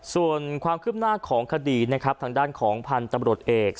ส่วนความคืบหน้าของคดีนะครับทางด้านของพันธุ์ตำรวจเอก